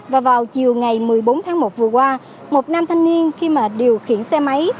và vào chiều ngày một mươi bốn tháng một vừa qua một nam thanh niên khi mà điều khiển xe máy